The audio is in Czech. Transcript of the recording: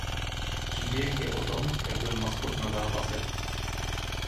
Příběh je o tom jak byl maskot na zápasech.